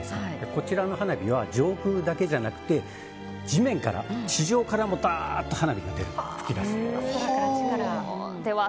こちらの花火は上空だけじゃなくて地上からもダーッと花火が噴き出すと。